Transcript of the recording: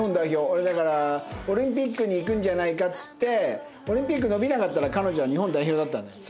俺だからオリンピックにいくんじゃないかっつってオリンピック延びなかったら彼女は日本代表だったんだよ。